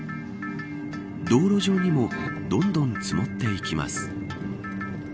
道路上にもどんどん積もっていきます。